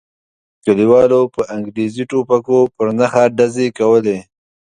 کلیوالو په انګریزي ټوپکو پر نښه ډزې کولې.